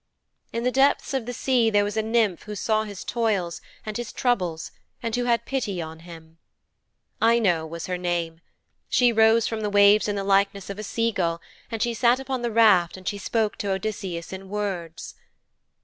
In the depths of the sea there was a Nymph who saw his toils and his troubles and who had pity upon him. Ino was her name. She rose from the waves in the likeness of a seagull and she sat upon the raft and she spoke to Odysseus in words.